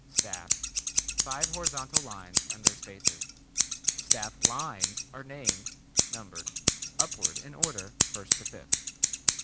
8. Staff: Five horizontal lines and their spaces. Staff lines are named (numbered) upward in order, first to fifth.